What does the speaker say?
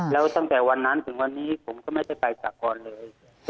แล้วตั้งแต่วันนั้นถึงวันนี้ผมก็ไม่ได้ไปสากรเลย